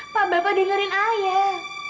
pak bapak dengerin ayah